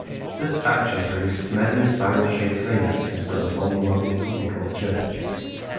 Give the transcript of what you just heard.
This action produces many small spiral shaped rings instead of one long helical chip.